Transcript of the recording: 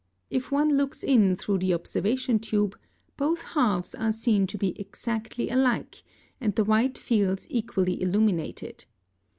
If one looks in through the observation tube, both halves are seen to be exactly alike, and the white fields equally illuminated.